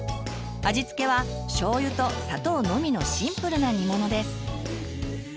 味付けはしょうゆと砂糖のみのシンプルな煮物です。